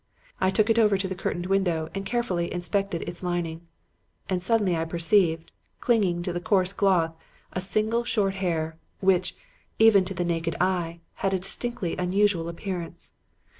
I took it over to the curtained window and carefully inspected its lining; and suddenly I perceived, clinging to the coarse cloth, a single short hair, which, even to the naked eye, had a distinctly unusual appearance.